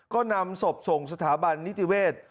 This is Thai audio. ก็นำศพส่งสถาบันนิติเวศ